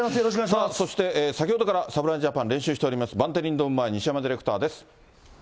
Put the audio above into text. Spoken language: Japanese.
そして先ほどから侍ジャパン、練習しております、バンテリンドーム前、西山ディレクターです。